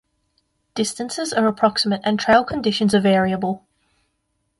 Distances are approximate and trail conditions are variable.